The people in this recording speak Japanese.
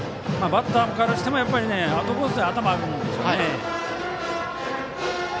バッターからしてもアウトコースの頭があるんですね。